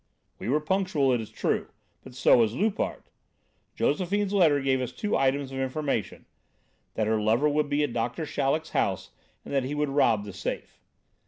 "We were punctual, it is true, but so was Loupart. Josephine's letter gave us two items of information: That her lover would be at Doctor Chaleck's house and that he would rob the safe.